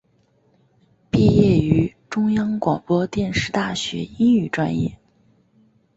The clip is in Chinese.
毕业于中央广播电视大学英语专业。